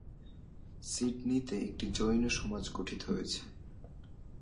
সিডনিতে একটি জৈন সমাজ গঠিত হয়েছে।